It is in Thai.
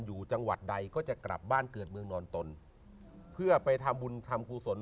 อยู่จังหวัดใดก็จะกลับบ้านเกิดเมืองนอนตนเพื่อไปทำบุญทำกุศล